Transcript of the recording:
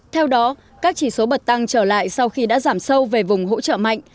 theo đó các chỉ số bật tăng trở lại sau khi đã giảm sâu về vùng hỗ trợ mạnh